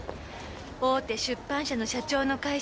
大手出版社の社長の怪死。